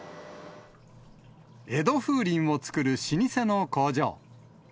江戸風鈴を作る老舗の工場。